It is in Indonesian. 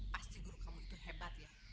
pasti guru kamu itu hebat ya